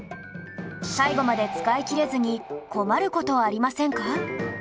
最後まで使い切れずに困る事ありませんか？